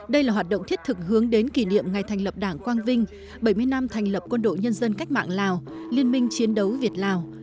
đây là hoạt động thiết thực hướng đến kỷ niệm ngày thành lập đảng quang vinh bảy mươi năm thành lập quân đội nhân dân cách mạng lào liên minh chiến đấu việt lào